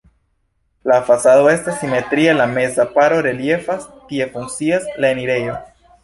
La fasado estas simetria, la meza paro reliefas, tie funkcias la enirejo.